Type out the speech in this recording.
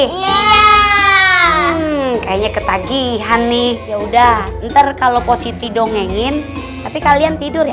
ya kayaknya ketagihan nih ya udah ntar kalau positif dongeng tapi kalian tidur ya